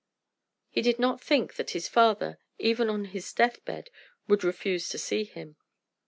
He did not think that his father, even on his death bed, would refuse to see him.